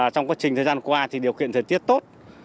trong quá trình thời gian qua thì điều kiện thời tiết tốt